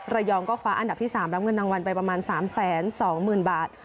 ระยองก็คว้าอันดับที่๓รับเงินรางวัลไปประมาณ๓๒๐๐๐บาท